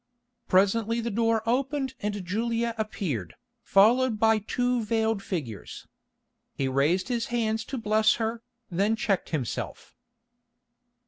Presently the door opened and Julia appeared, followed by two veiled figures. He raised his hands to bless her, then checked himself.